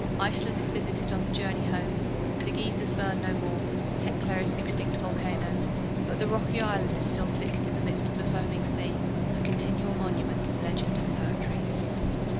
Iceland is visited on the journey home. The geysers burn no more, Hecla is an extinct volcano, but the rocky island is still fixed in the midst of the foaming sea, a continual monument of legend and poetry.